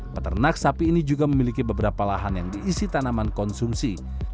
peternak sapi ini juga memiliki beberapa lahan yang diisi tanaman konsumsi